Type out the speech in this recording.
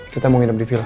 kita mau hidup di vila